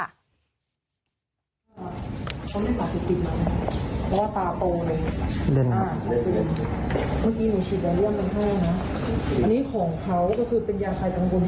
ยังไม่มาเข้าบอกว่าอยู่ฝั่งประมาทกำลังจะมาน่าจะประมาณชั่วมุม